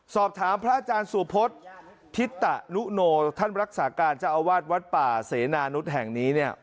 พระอาจารย์สุพฤษภิตะนุโนท่านรักษาการเจ้าอาวาสวัดป่าเสนานุษย์แห่งนี้เนี่ย